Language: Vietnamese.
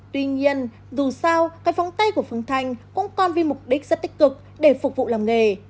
tuy nhiên dù sao cái phóng tay của phương thanh cũng còn vì mục đích rất tích cực để phục vụ làm nghề